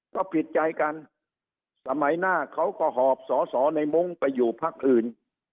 ก็ผิดใจกันสมัยหน้าเขาก็หอบสอสอในมุ้งไปอยู่พักอื่น